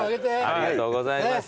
ありがとうございます。